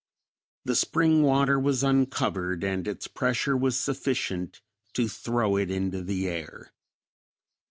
The spring water was uncovered and its pressure was sufficient to throw it into the air.